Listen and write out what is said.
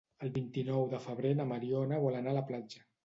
El vint-i-nou de febrer na Mariona vol anar a la platja.